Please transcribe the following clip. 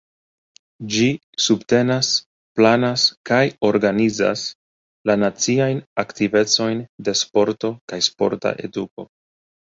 Ĝi subtenas, planas kaj organizas la naciajn aktivecojn de sporto kaj sporta eduko.